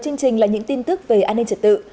chương trình là những tin tức về an ninh trật tự